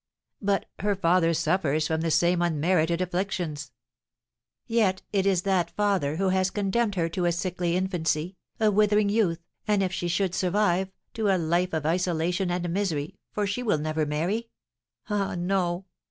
"But her father suffers from the same unmerited afflictions." "Yet it is that father who has condemned her to a sickly infancy, a withering youth, and, if she should survive, to a life of isolation and misery, for she will never marry. Ah, no!